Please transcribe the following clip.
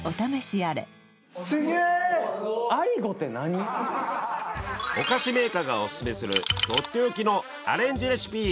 あれお菓子メーカーがおすすめするとっておきのアレンジレシピ